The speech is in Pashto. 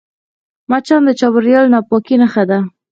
مچان د چاپېریال د ناپاکۍ نښه ده